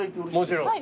もちろん。